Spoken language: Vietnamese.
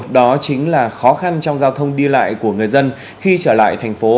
đó chính là khó khăn trong giao thông đi lại của người dân khi trở lại thành phố